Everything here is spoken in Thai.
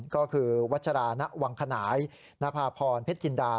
ก็คือวัชราณวังขนายนภาพรเพชรจินดา